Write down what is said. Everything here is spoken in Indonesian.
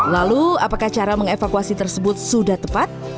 lalu apakah cara mengevakuasi tersebut sudah tepat